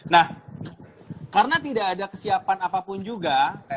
nah karena tidak ada kesiapan apapun juga